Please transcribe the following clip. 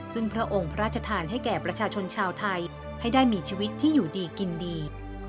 ซึ่งพระองค์พระราชทานให้แก่ประชาชนชาวไทยให้ได้มีชีวิตที่อยู่ดีกินดี